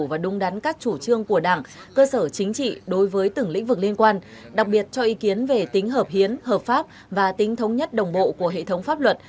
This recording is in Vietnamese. và đúng đắn các chủ trương của đảng cơ sở chính trị đối với từng lĩnh vực liên quan đặc biệt cho ý kiến về tính hợp hiến hợp pháp và tính thống nhất đồng bộ của hệ thống pháp luật